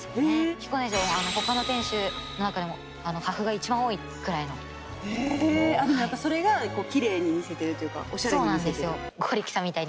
彦根城他の天守の中でも破風が一番多いくらいのえっやっぱそれがキレイに見せてるというかオシャレに見せてるそうなんですよ